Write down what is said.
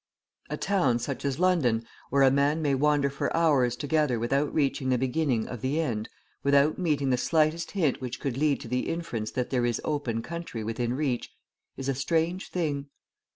A town, such as London, where a man may wander for hours together without reaching the beginning of the end, without meeting the slightest hint which could lead to the inference that there is open country within reach, is a strange thing.